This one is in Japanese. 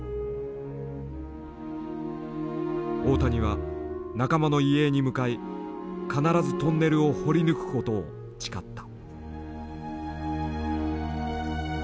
大谷は仲間の遺影に向かい必ずトンネルを掘り抜くことを誓った。